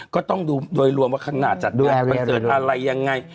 ก็ต้องดูโดยรวมว่าข้างหน้าจัดด้วยคอนเสิร์ตอะไรยังไง